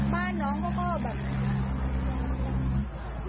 บ้านน้องก็แบบ